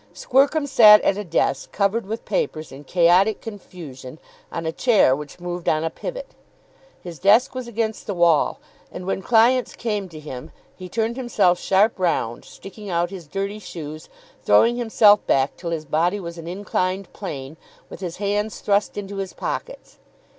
Squercum sat at a desk, covered with papers in chaotic confusion, on a chair which moved on a pivot. His desk was against the wall, and when clients came to him, he turned himself sharp round, sticking out his dirty shoes, throwing himself back till his body was an inclined plane, with his hands thrust into his pockets.